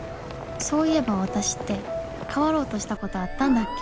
そういえばわたしって変わろうとしたことあったんだっけ？